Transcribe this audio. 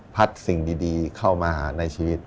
สิ่งดีเข้ามาในชีวิต